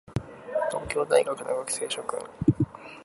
東京大学の学生諸君